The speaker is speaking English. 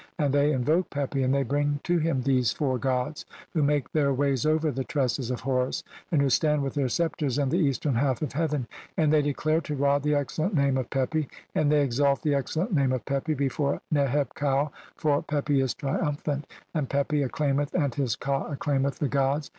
"And they invoke Pepi and they bring to him these "four [gods] who make their ways over the tresses "of Horus, and who stand with their sceptres in the "eastern half of heaven; (172) and they declare to "Ra the excellent name of Pepi, and they exalt the "excellent name of Pepi before Neheb kau, for Pepi "is triumphant, and Pepi acclaimeth and his ka ac "claimeth the gods.